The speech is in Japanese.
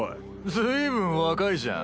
随分若いじゃん。